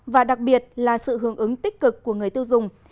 và đặc biệt là sự hướng ứng tích cực của người tiêu dùng